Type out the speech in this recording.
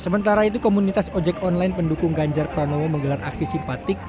sementara itu komunitas ojek online pendukung ganjar pranowo menggelar aksi simpatik